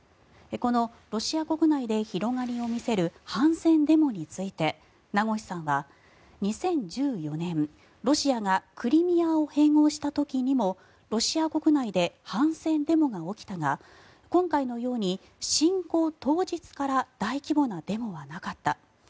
このロシア国内で広がりを見せる反戦デモについて名越さんは２０１４年、ロシアがクリミアを併合した時にもロシア国内で反戦デモが起きたが今回のように侵攻当日から大規模なデモはなかった。